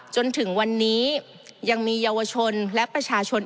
จนถึงวันนี้ยังมีเยาวชนและประชาชน